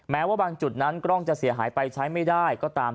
แม้ว่าบางจุดนั้นกล้องจะเสียหายไปใช้ไม่ได้ก็ตาม